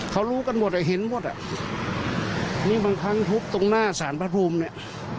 เขารู้กันหมดอ่ะเห็นหมดอ่ะนี่บางครั้งทุบตรงหน้าสารพระภูมิเนี่ย